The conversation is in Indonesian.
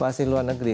pasti luar negeri